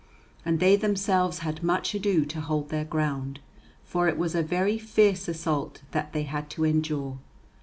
And they themselves had much ado to hold their ground, for it was a very fierce assault that they had to endure.